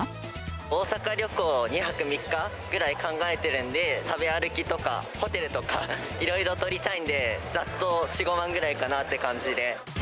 大阪旅行を２泊３日ぐらい考えてるんで、食べ歩きとか、ホテルとか、いろいろとりたいんで、ざっと４、５万ぐらいかなっていう感じで。